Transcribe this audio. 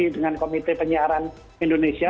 dengan komite penyiaran indonesia